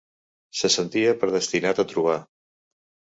Se sentia predestinat a trobar.